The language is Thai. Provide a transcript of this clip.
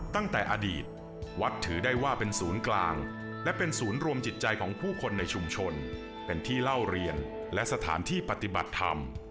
ตั้งแต่อดีตวัดถือได้ว่าเป็นศูนย์กลางและเป็นศูนย์รวมจิตใจของผู้คนในชุมชนเป็นที่เล่าเรียนและสถานที่ปฏิบัติธรรม